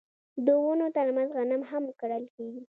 د ونو ترمنځ غنم هم کرل کیږي.